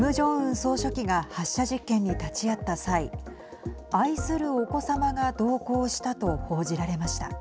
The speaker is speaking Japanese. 総書記が発射実験に立ち会った際愛するお子様が同行したと報じられました。